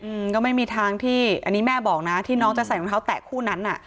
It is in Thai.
อืมก็ไม่มีทางที่อันนี้แม่บอกนะที่น้องจะใส่รองเท้าแตะคู่นั้นอ่ะ